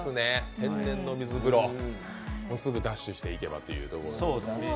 天然の水風呂、すぐダッシュしていけばってところですね。